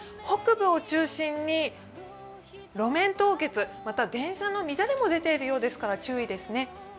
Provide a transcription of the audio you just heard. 北部を中心に路面凍結、また電車の乱れも出ているようですから注意ですね。